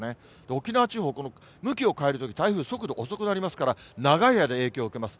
沖縄地方、この向きを変えるとき、台風、速度遅くなりますから、長い間影響を受けます。